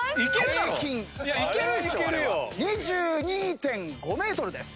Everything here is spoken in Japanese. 平均２２．５ｍです。